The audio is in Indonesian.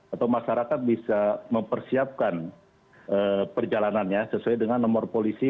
atau masyarakat bisa mempersiapkan perjalanannya sesuai dengan nomor polisi